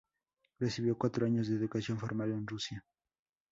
Recibió cuatro años de educación formal en Rusia.